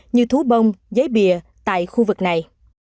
như thú bông giấy bìa tại khu vực này